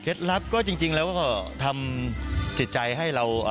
ลับก็จริงแล้วก็ทำจิตใจให้เรา